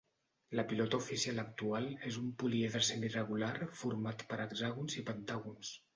La pilota oficial actual és un poliedre semiregular format per hexàgons i pentàgons.